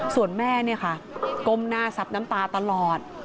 ส่วนแม่เนี่ยค่ะก้มหน้าซับน้ำตาตลอด